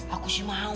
aku sih mau